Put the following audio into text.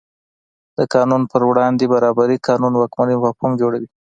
د قانون په وړاندې برابري قانون واکمنۍ مفهوم جوړوي.